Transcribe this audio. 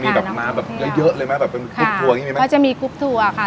มีแบบน้ำแบบเยอะเลยไหมแบบเป็นคลุปทัวร์อย่างงี้มีไหมค่ะก็จะมีคลุปทัวร์ค่ะ